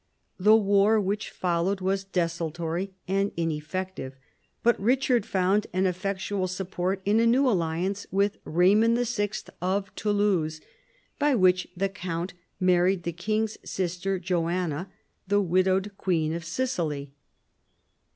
The war which followed was desultory and ineffective, but Eichard found an effectual support in a new alliance with Eaymond VI. of Toulouse, by which the count married the king's sister, Joanna, the widowed queen of Sicily.